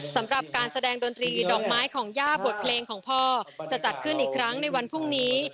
สำหรับการแสดงดนตรีดอกไม้ของย่าบทเพลงของพ่อจะจัดขึ้นอีกครั้งในวันพรุ่งนี้